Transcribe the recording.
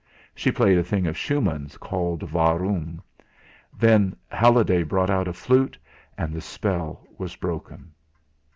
She played a thing of Schumann's called "Warum?" Then Halliday brought out a flute, and the spell was broken.